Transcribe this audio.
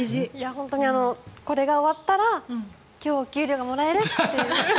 本当に、これが終わったら今日、お給料がもらえるという。